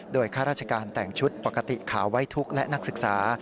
ข้าราชการแต่งชุดปกติขาวไว้ทุกข์และนักศึกษา